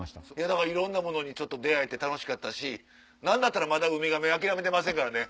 だからいろんなものに出会えて楽しかったし何だったらまだウミガメ諦めてませんからね。